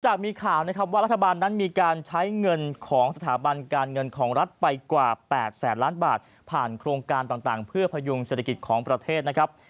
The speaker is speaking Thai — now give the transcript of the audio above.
มีข่าวนะครับว่ารัฐบาลนั้นมีการใช้เงินของสถาบันการเงินของรัฐไปกว่า๘แสนล้านบาทผ่านโครงการต่างเพื่อพยุงเศรษฐกิจของประเทศนะครับ